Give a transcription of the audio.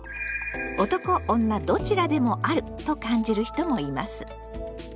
「男女どちらでもある」と感じる人もいます。